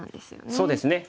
そうですね。